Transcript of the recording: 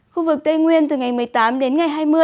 khu vực tây nguyên từ ngày một mươi tám đến ngày hai mươi